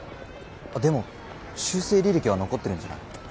でも修正履歴は残ってるんじゃない？